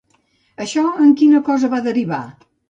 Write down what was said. Això en quina cosa va derivar?